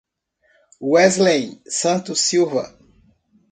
Weslen Santos Silva